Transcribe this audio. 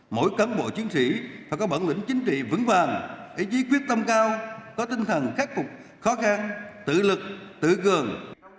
mỗi cán bộ chiến sĩ phải có bản lĩnh chính trị vững vàng ý chí quyết tâm cao có tinh thần khắc phục khó khăn tự lực tự cường